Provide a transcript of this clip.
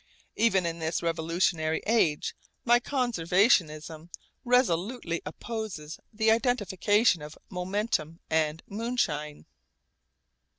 Even in this revolutionary age my conservatism resolutely opposes the identification of momentum and moonshine.